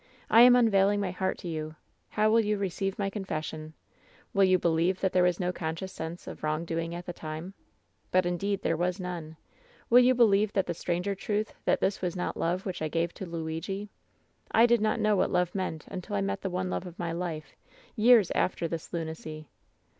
I am un veiling my heart to you 1 How will you receive my oaor 160 WHEN SHADOWS DIE fession ? Will you believe that there was no conecioua sense of wrongdoing at the time ? But, indeed, there was none. Will you believe the stranger truth that this was not love which I gave to Luigi ? I did not know what love meant until I met the one love of my life — years after this lunacy.